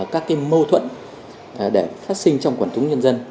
các mâu thuẫn để phát sinh trong quần chúng nhân dân